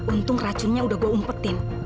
untung racunnya udah gue umpetin